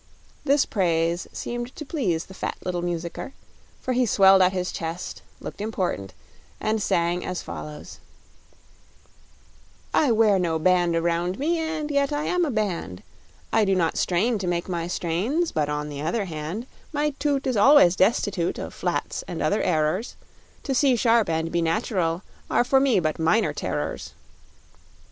This praise seemed to please the little fat musicker, for he swelled out his chest, looked important and sang as follows: I wear no band around me, And yet I am a band! I do not strain to make my strains But, on the other hand, My toot is always destitute Of flats or other errors; To see sharp and be natural are For me but minor terrors.